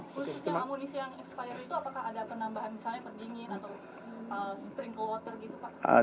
khususnya amunisi yang expired itu apakah ada penambahan misalnya pendingin atau sprinkle water gitu pak